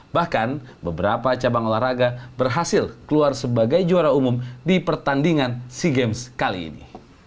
bahkan beberapa cabang olahraga berhasil keluar sebagai juara umum di pertandingan sea games kali ini